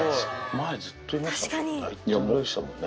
前ずっといましたもんね。